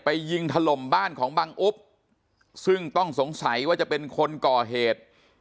ยิงถล่มบ้านของบังอุ๊บซึ่งต้องสงสัยว่าจะเป็นคนก่อเหตุ